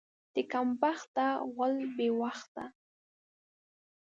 د کم بخته غول بې وخته.